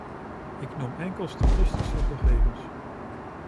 Ik noem enkele statistische gegevens.